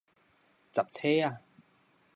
雜脆仔